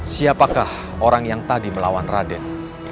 siapakah orang yang tadi melawan raden